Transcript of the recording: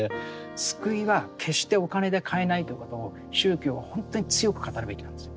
救いは決してお金で買えないということを宗教は本当に強く語るべきなんですよ。